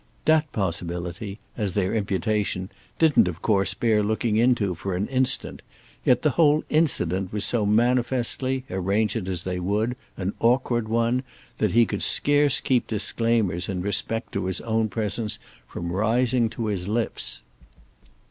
That possibility—as their imputation—didn't of course bear looking into for an instant; yet the whole incident was so manifestly, arrange it as they would, an awkward one, that he could scarce keep disclaimers in respect to his own presence from rising to his lips.